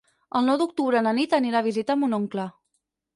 El nou d'octubre na Nit anirà a visitar mon oncle.